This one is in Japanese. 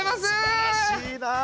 すばらしいなあ。